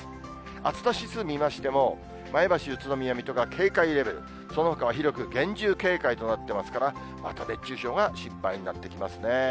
暑さ指数見ましても、前橋、宇都宮、水戸が警戒レベル、そのほかは広く厳重警戒となってますから、また熱中症が心配になってきますね。